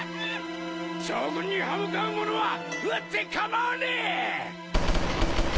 将軍に歯向かう者は撃って構わねえ！